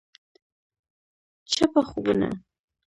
چپه خوبونه …